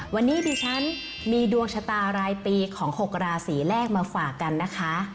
วันนี้ดิฉันมีดวงชะตารายปีของ๖ราศีแรกมาฝากกันนะคะ